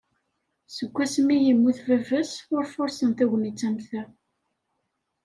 Seg wasmi i yemmut baba-s ur fursen tagnit am ta.